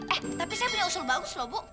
eh tapi saya punya usul bagus loh bu